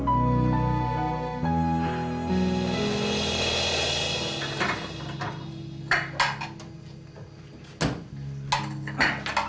makasih ya pa